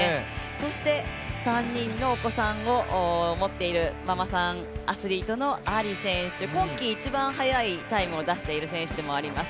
そして３人のお子さんを持っているママさんアスリートのアリ選手、今季一番速いタイムを出している選手でもあります。